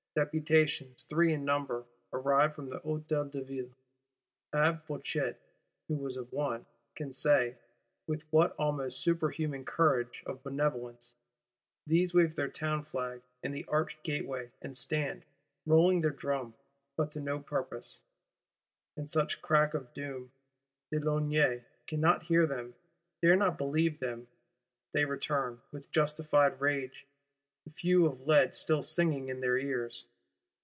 Deputations, three in number, arrive from the Hôtel de Ville; Abbé Fouchet (who was of one) can say, with what almost superhuman courage of benevolence. These wave their Town flag in the arched Gateway; and stand, rolling their drum; but to no purpose. In such Crack of Doom, de Launay cannot hear them, dare not believe them: they return, with justified rage, the whew of lead still singing in their ears.